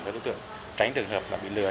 cho đối tượng tránh trường hợp bị lừa